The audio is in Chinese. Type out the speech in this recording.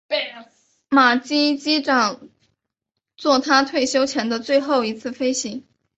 马基机长作他退休前的最后一次飞行。